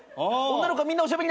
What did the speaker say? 女の子はみんなおしゃべり。